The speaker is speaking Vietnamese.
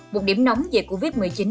một điểm nóng về covid một mươi chín